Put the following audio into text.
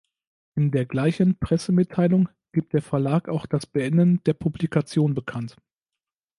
In der gleichen Pressemitteilung gibt der Verlag auch das Beenden der Publikation bekannt.